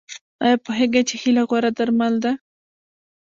ایا پوهیږئ چې هیله غوره درمل ده؟